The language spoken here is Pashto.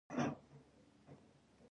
زغم او حوصله ستونزې اسانه کوي.